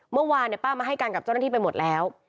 เมื่อวานป้ามาให้การกับเจ้าหน้าที่ไปหมดแล้ว